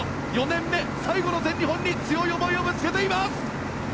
４年目、最後の全日本に強い思いをぶつけています！